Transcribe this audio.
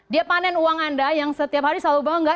dia panen uang anda yang setiap hari selalu bawa nggak